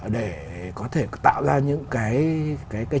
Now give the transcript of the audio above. để có thể tạo ra những cái